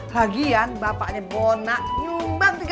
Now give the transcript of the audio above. lagian bapaknya bona nyumbang tiga puluh ribu